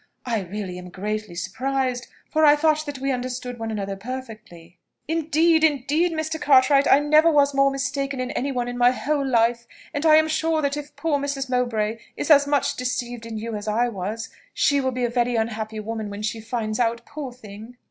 I really am greatly surprised, for I thought that we understood one another perfectly." "Indeed, indeed, Mr. Cartwright, I never was more mistaken in any one in my whole life; and I am sure that if poor Mrs. Mowbray is as much deceived in you as I was, she will be a very unhappy woman when she finds it out, poor thing."